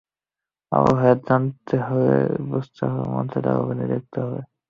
আবুল হায়াতকে জানতে হলে, বুঝতে হলে মঞ্চে তাঁর অভিনয় দেখতে হবে।